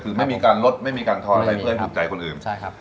คือไม่มีการลดไม่มีการทอนให้เพื่อนถูกใจคนอื่นใช่ครับ